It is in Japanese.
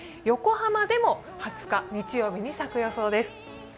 横浜でも２０日、日曜日に咲く予想です。